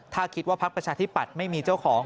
ถ้าคิดว่าพักประชาธิปัตย์ไม่มีเจ้าของ